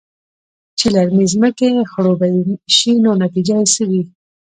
چې للمې زمکې خړوبې شي نو نتيجه يې څۀ وي؟